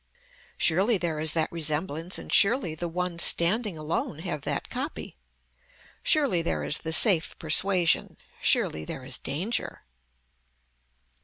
Surely there is that resemblance and surely the ones standing alone have that copy. Surely there is the safe persuasion. Surely there is danger.